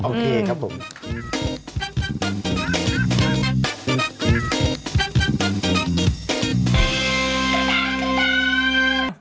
โอเคครับผม